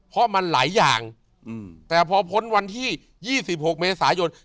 เพราะมันหลายอย่างแต่พอพ้นวันที่๒๖เมษายน